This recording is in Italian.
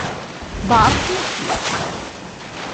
Bart McGhee